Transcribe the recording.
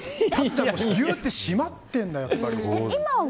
ギュって締まっているんだやっぱり。